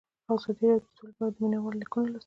ازادي راډیو د سوله په اړه د مینه والو لیکونه لوستي.